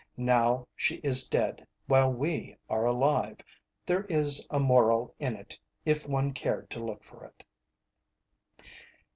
Now she is dead, while we are alive. There is a moral in it, if one cared to look for it."